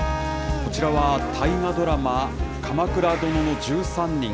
こちらは大河ドラマ、鎌倉殿の１３人。